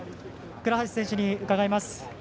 倉橋選手に伺います。